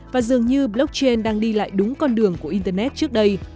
và dường như blockchain đang đi lại đúng con đường của internet trước đây